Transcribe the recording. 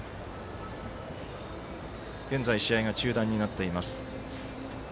現在、試合は中断になっています。